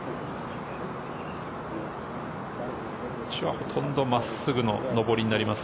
ほとんど真っすぐの上りになります。